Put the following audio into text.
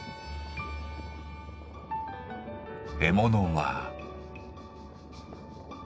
獲物は。